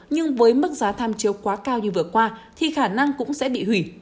nhưng với mức giá tham chiếu quá cao như vừa qua thì khả năng cũng sẽ bị hủy